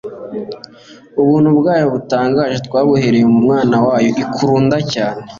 Ubuntu bwayo butangaje twabuherewe « mu Mwana wayo ikuruda cyane».